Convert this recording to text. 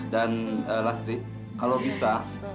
dan lastri kalau bisa